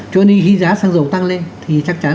cho nên khi giá xăng dầu tăng lên thì chắc chắn